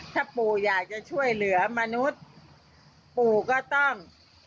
ถ้าปู่อยากจะช่วยเหลือมนุษย์ปู่ก็ต้อง